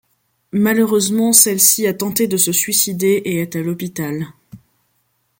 Malheureusement, celle-ci a tenté de se suicider et est à l'hôpital...